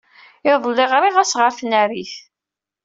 Iḍelli, ɣriɣ-as ɣer tnarit.